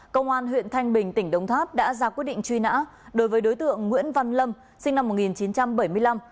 công an huyện thanh bình tỉnh đống tháp đã ra quyết định truy nã đối với đối tượng nguyễn văn lâm sinh năm một nghìn chín trăm bảy mươi năm